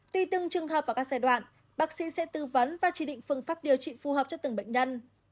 tuy từng trường hợp vào các giai đoạn bác sĩ sẽ tư vấn và chỉ định phương pháp điều trị phù hợp cho từng bệnh nhân